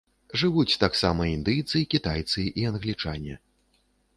Жывуць таксама індыйцы, кітайцы і англічане.